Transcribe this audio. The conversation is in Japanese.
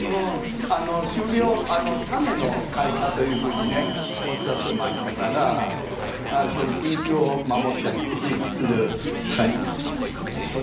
種苗種の会社というふうにねおっしゃってましたから品種を守ったりするお仕事ですね。